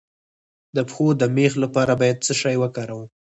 د پښو د میخ لپاره باید څه شی وکاروم؟